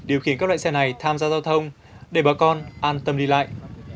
điều khiển các loại xe này tham gia giao thông để bà con an tâm đi lại